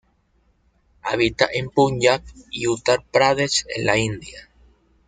Habita en Punjab y Uttar Pradesh en la India.